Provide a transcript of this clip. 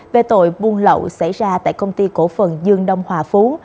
về tội buôn lậu xảy ra tại công ty cổ phần dương đông hòa phú